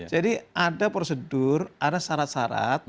jadi ada prosedur ada syarat syarat